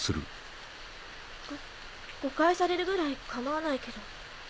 ご誤解されるぐらい構わないけど。